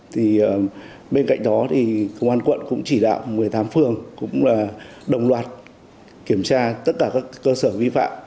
thì bên cạnh đó thì công an quận cũng chỉ đạo một mươi tám phường cũng là đồng loạt kiểm tra tất cả các cơ sở vi phạm